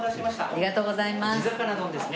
ありがとうございます。